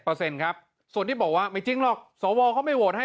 เปอร์เซ็นต์ครับส่วนที่บอกว่าไม่จริงหรอกสวเข้าไม่โวดให้